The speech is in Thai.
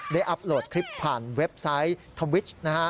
อัพโหลดคลิปผ่านเว็บไซต์ทวิชนะฮะ